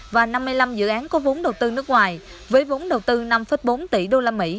và năm mươi năm dự án có vốn đầu tư nước ngoài với vốn đầu tư năm bốn tỷ usd